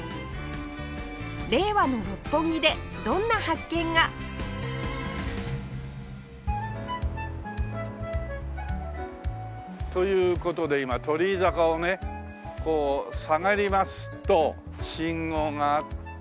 令和の六本木でどんな発見が？という事で今鳥居坂をねこう下がりますと信号があって。